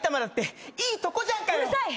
うるさい！